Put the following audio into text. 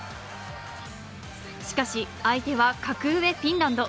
しかし、相手は格上・フィンランド。